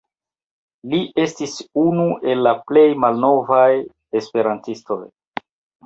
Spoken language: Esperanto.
Li estis unu el la plej malnovaj Esperantistoj.